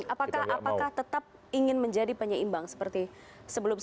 apakah tetap ingin menjadi penyeimbang seperti sebelum sebelumnya